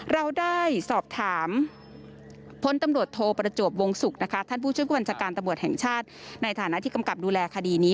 เราได้สอบถามพลตำรวจโทประจวบวงศุกร์นะคะท่านผู้ช่วยผู้บัญชาการตำรวจแห่งชาติในฐานะที่กำกับดูแลคดีนี้